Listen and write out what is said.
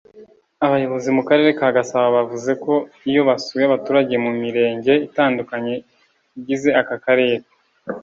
Abayobozi mu Karere ka Gasabo bavuze ko iyo basuye abaturage mu Mirenge itandukanye igize aka Karere